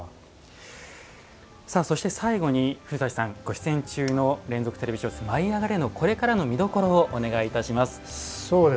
そして、最後に古舘さんご出演中の連続テレビ小説「舞いあがれ！」これからの見どころお願いします。